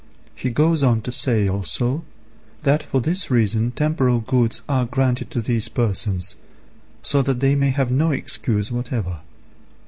He goes on to say also that for this reason temporal goods are granted to these persons, so that they may have no excuse whatever.